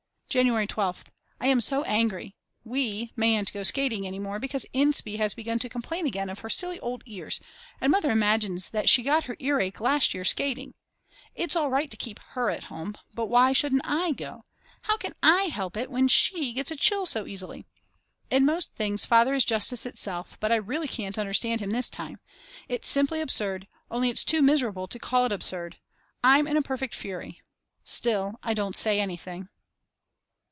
January 12th. I am so angry. We mayn't go skating any more because Inspee has begun to complain again of her silly old ears and Mother imagines that she got her earache last year skating. It's all right to keep her at home; but why shouldn't I go? How can I help it when she gets a chill so easily? In most things Father is justice itself, but I really can't understand him this time. It's simply absurd, only it's too miserable to call it absurd. I'm in a perfect fury. Still, I don't say anything.